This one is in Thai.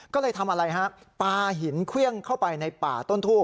ก็เลยทำอะไรฮะปลาหินเครื่องเข้าไปในป่าต้นทูบ